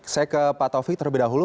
saya ke pak taufik terlebih dahulu